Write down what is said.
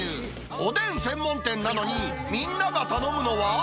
おでん専門店なのに、みんなが頼むのは？